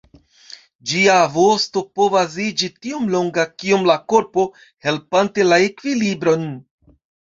Ĝia vosto povas iĝi tiom longa kiom la korpo, helpante la ekvilibron.